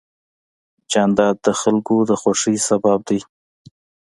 جانداد د خلکو د خوښۍ سبب دی.